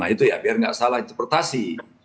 nah itu ya biar nggak salah interpretasi